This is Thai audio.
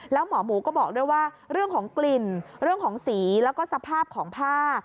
แล้วหมอหมูก็บอกด้วยว่าเรื่องของกลิ่นเรื่องของสีแล้วก็สภาพของผ้า